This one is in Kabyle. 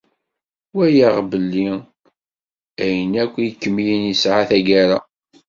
Walaɣ belli ayen akk ikemlen isɛa taggara.